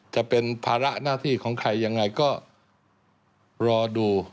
จะเป็นภาระหน้าที่ของใครยังไงก็รอดู